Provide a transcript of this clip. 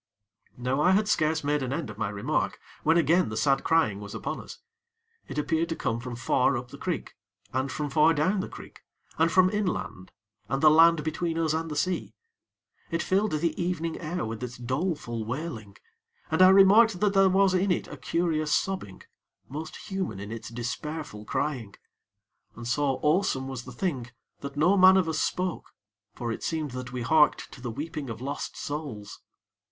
Now, I had scarce made an end of my remark, when again the sad crying was upon us. It appeared to come from far up the creek, and from far down the creek, and from inland and the land between us and the sea. It filled the evening air with its doleful wailing, and I remarked that there was in it a curious sobbing, most human in its despairful crying. And so awesome was the thing that no man of us spoke; for it seemed that we harked to the weeping of lost souls.